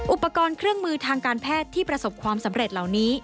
อุปกรณ์เครื่องมือทางการแพทย์ที่ประสบความสำเร็จเหล่านี้